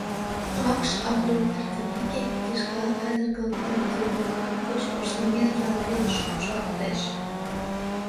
Вакш агурым эртымеке, кишкыла кадыргыл, Тотинур олык гоч Ошлаҥер ял велыш лупшалтеш.